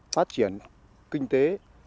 phát triển kinh tế